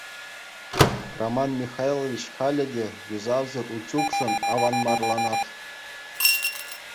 Роман Михайлович халӗ те юсавсӑр утюгшӑн аванмарланать.